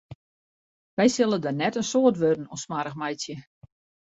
Wy sille der net in soad wurden oan smoarch meitsje.